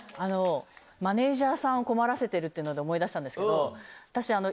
マネージャーさんを困らせてるっていうので思い出したんですけど。